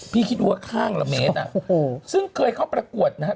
คิดดูว่าข้างละเมตรซึ่งเคยเข้าประกวดนะฮะ